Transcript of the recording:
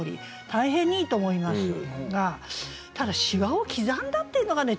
大変にいいと思いますがただ「しわを刻んだ」っていうのがね